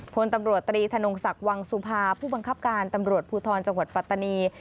พลตำรวจตรีธนงศักดิ์วังสุภาผู้บังคับการตำรวจภูทรจังหวัดปัตตานี